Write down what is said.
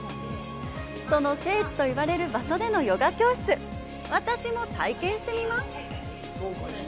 その聖地と言われる場所でのヨガ教室、私も体験してみます。